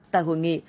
tại hội nghị